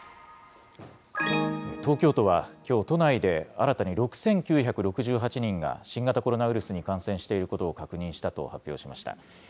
東京都はきょう、都内で新たに６９６８人が新型コロナウイルスに感染していることを確認したと発表しました。